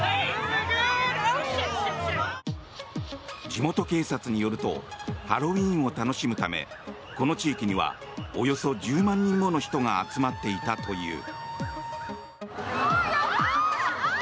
地元警察によるとハロウィーンを楽しむためこの地域にはおよそ１０万人もの人が集まっていたという。